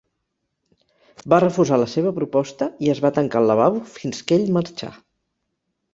Va refusar la seva proposta i es va tancar al lavabo fins que ell marxà.